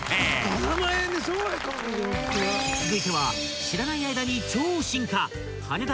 ［続いては］